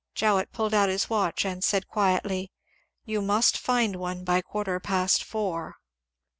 " Jowett pulled out his watch and said quietly, Too must find one by quarter jmst four."